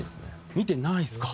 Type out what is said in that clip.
見てないですか。